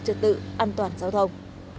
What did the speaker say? chất tự an toàn giao thông